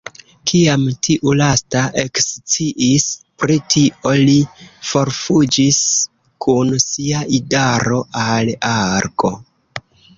Kiam tiu lasta eksciis pri tio, li forfuĝis kun sia idaro al Argo.